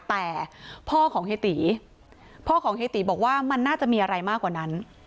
แต่พ่อของเฮตีพ่อของเฮติบอกว่ามันน่าจะมีอะไรมากกว่านั้น